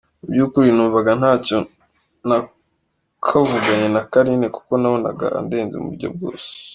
Mu by’ukuri numvaga ntacyo nakavuganye na Carine kuko nabonaga andenze mu buryo bwose.